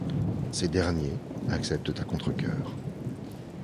Ces derniers acceptent à contrecœur.